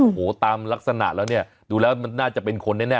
โอ้โหตามลักษณะแล้วเนี่ยดูแล้วมันน่าจะเป็นคนแน่